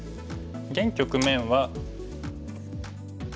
現局面は。